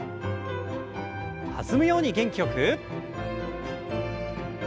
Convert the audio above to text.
弾むように元気よく。